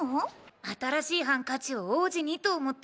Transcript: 新しいハンカチを王子にと思って。